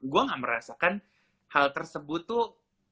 gue gak merasakan hal tersebut tuh